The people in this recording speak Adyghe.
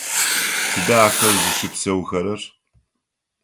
Тыдэ ахэр зыщыпсэухэрэр?